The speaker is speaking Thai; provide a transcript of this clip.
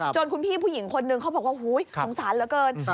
จนคุณพี่ผู้หญิงคนนึงเขาบอกว่าสงสารเหลือเกิน